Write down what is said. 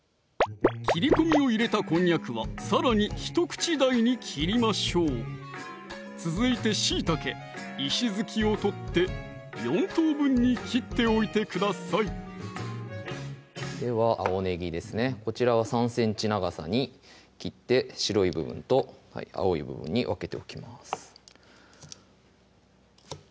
切り込みを入れたこんにゃくはさらに一口大に切りましょう続いてしいたけ石突きを取って４等分に切っておいてくださいでは青ねぎですねこちらは３ｃｍ長さに切って白い部分と青い部分に分けておきます